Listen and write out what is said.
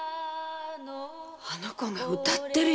あの娘が歌ってるよ・